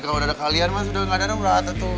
kalau ada kalian mas udah gak ada darurat tuh